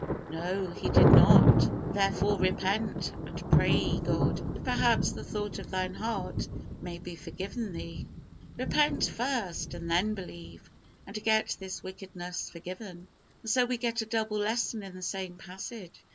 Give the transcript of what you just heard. No; he did not. "Therefore, repent, and pray God, if, perhaps, the thought of thine heart may be forgiven thee." Repent first! and then believe, and get this wickedness forgiven, and so we get a double lesson in the same passage.